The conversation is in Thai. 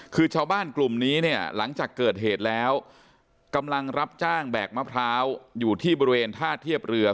คือชาวบ้านกลุ่มนี้เนี่ยหลังจากเกิดเหตุแล้วกำลังรับจ้างแบกมะพร้าวอยู่ที่บริเวณท่าเทียบเรือ